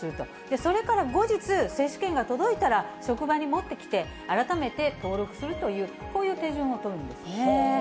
それから後日、接種券が届いたら、職場に持ってきて、改めて登録するという、こういう手順を取るんですね。